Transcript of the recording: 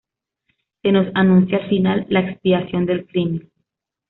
Se nos anuncia al final la expiación del crimen.